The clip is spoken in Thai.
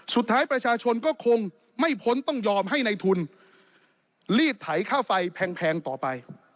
สุดท้ายประชาชนก็คงไม่พ้นต้องยอมให้ในทุนลีดไถค่าไฟแพงต่อไป